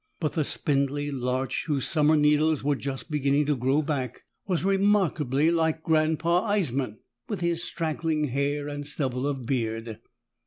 But the spindly larch whose summer needles were just beginning to grow back was remarkably like Grandpa Eissman, with his straggling hair and stubble of beard.